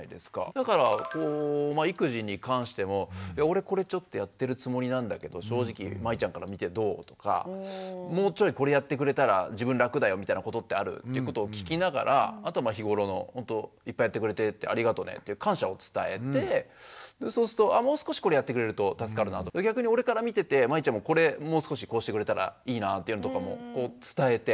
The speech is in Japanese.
だから育児に関しても「いや俺これちょっとやってるつもりなんだけど正直麻衣ちゃんから見てどう？」とか「もうちょいこれやってくれたら自分楽だよみたいなことってある？」っていうことを聞きながらあとまあ日頃のほんと「いっぱいやってくれてありがとね」って感謝を伝えてそうすると「もう少しこれやってくれると助かるな」とか逆に俺から見てて麻衣ちゃんもこれもう少しこうしてくれたらいいなぁっていうのとかも伝えて。